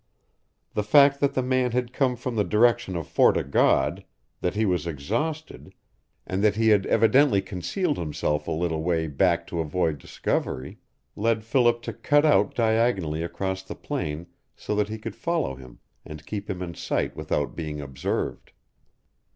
The fact that the man had come from the direction of Fort o' God, that he was exhausted, and that he had evidently concealed himself a little way back to avoid discovery, led Philip to cut out diagonally across the plain so that he could follow him and keep him in sight without being observed.